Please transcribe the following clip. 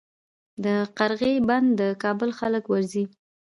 د قرغې بند د کابل خلک ورځي